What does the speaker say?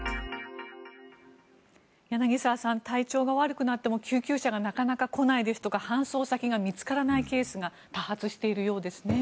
柳澤さん体調が悪くなっても救急車がなかなか来ないとか搬送先が見つからないケースが多発しているようですね。